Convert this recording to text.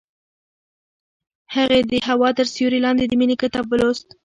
هغې د هوا تر سیوري لاندې د مینې کتاب ولوست.